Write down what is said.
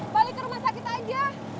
balik ke rumah sakit aja